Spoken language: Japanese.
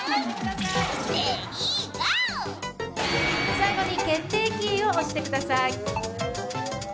最後に決定キーを押してください。